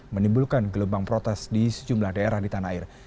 menimbulkan gelombang protes di sejumlah daerah di tanah air